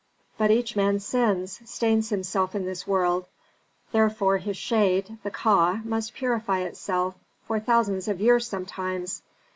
But each man sins, stains himself in this world; therefore his shade, the Ka, must purify itself, for thousands of years sometimes.